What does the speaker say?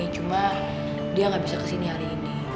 cuma dia nggak bisa kesini hari ini